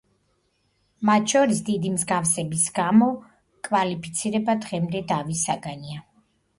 მათ შორის დიდი მსგავსების გამო მათი კლასიფიცირება დღემდე დავის საგანია.